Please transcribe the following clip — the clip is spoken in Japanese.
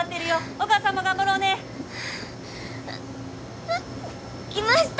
お母さんも頑張ろうねきました